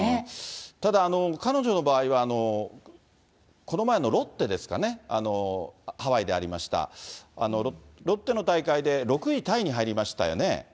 ただ、彼女の場合は、この前のロッテですかね、ハワイでありました、ロッテの大会で６位タイに入りましたよね。